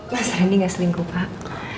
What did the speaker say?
mas sandi gak selingkuh pak